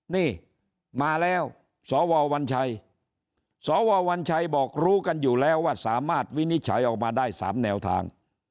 นี่มาแล้วสววัญชัยสววัญชัยบอกรู้กันอยู่แล้วว่าสามารถวินิจฉัยออกมาได้๓แนวทาง